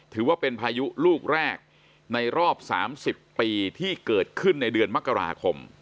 ถือว่าเป็นพายุลูกแรกในรอบ๓๐ปีที่เกิดขึ้นในเดือนมกราคม